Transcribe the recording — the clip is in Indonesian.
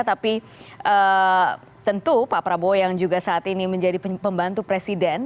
tapi tentu pak prabowo yang juga saat ini menjadi pembantu presiden